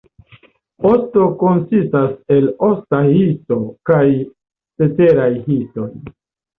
Osto konsistas el osta histo kaj ceteraj histoj.